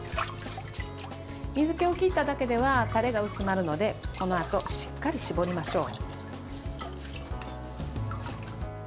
水けを切っただけではタレが薄まるのでこのあと、しっかり絞りましょう。